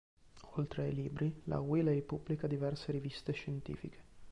Oltre ai libri la Wiley pubblica diverse riviste scientifiche.